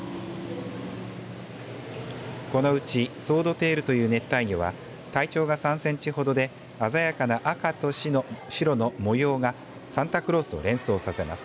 このうちソードテールという熱帯魚は体長が３センチほどで鮮やかな赤と白の模様がサンタクロースを連想させます。